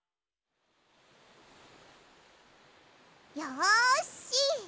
よし！